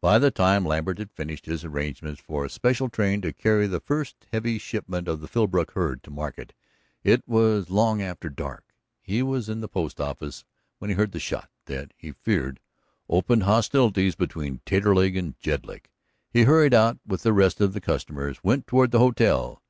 By the time Lambert had finished his arrangements for a special train to carry the first heavy shipment of the Philbrook herd to market it was long after dark. He was in the post office when he heard the shot that, he feared, opened hostilities between Taterleg and Jedlick. He hurried out with the rest of the customers and went toward the hotel.